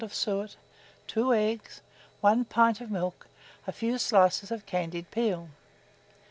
of suet, 2 eggs, 1 pint of milk, a few slices of candied peel.